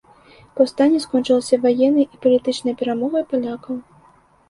Паўстанне скончылася ваеннай і палітычнай перамогай палякаў.